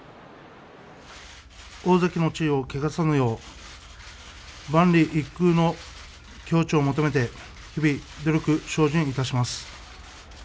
大関の地位を汚さぬよう万里一空の境地を求めて日々努力精進します。